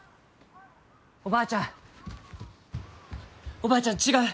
おばあちゃん違う！